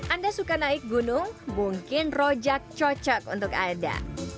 anda suka naik gunung mungkin rojak cocok untuk anda